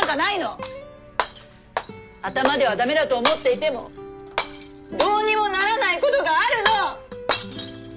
頭では駄目だと思っていてもどうにもならないことがあるの！